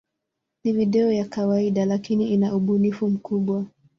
Ni video ya kawaida, lakini ina ubunifu mkubwa.